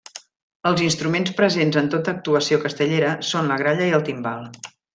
Els instruments presents en tota actuació castellera són la gralla i el timbal.